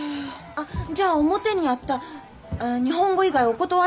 あっじゃあ表にあった「日本語以外お断り」っていうのは？